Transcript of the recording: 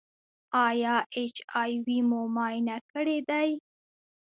ایا ایچ آی وي مو معاینه کړی دی؟